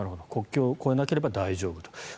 国境を越えなければ大丈夫と。